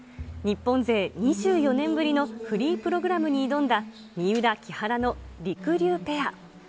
日本勢２４年ぶりのフリープログラムに挑んだ三浦・木原のりくりゅうペア。